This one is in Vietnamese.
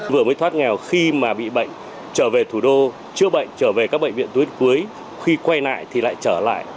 vừa mới thoát nghèo khi mà bị bệnh trở về thủ đô chữa bệnh trở về các bệnh viện tuyến cuối khi quay lại thì lại trở lại